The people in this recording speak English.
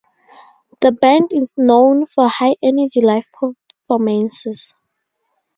The band is known for high energy live performances.